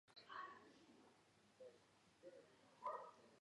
ამას მოჰყვება ის, რომ კომპასის ისარი ჩრდილოეთს მიახლოებით უჩვენებს.